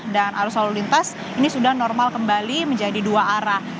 dan arus lalu lintas ini sudah normal kembali menjadi dua arah